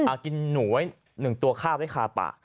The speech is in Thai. มากินหนูไว้๑ตัวคาบแล้วคาปะ